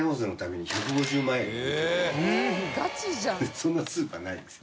そんなスーパーないですよ